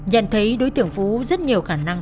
nhận thấy đối tượng phú rất nhiều khả năng